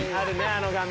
あの画面。